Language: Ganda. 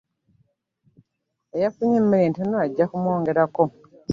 Eyafunye emmere entono ajje mwongereko.